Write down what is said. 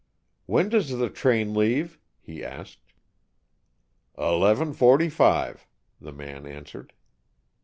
"When does the train leave?" he asked. "Eleven forty five," the man answered.